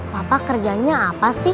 papa kerjanya apa sih